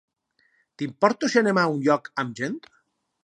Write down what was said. T'importa si anem a un lloc amb gent?